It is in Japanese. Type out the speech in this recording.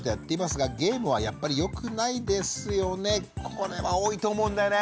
これは多いと思うんだよね。